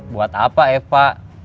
buat apa epa